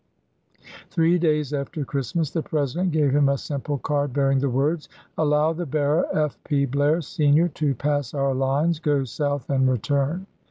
Three days after Christmas the President gave him a simple card bearing the words : Allow the bearer, F. P. Blair, Sr., to pass our lines, go South, and return.